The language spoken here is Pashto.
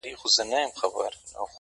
زه کرمه سره ګلاب ازغي هم را زرغونه سي,